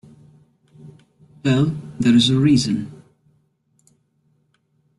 Well, there is a reason.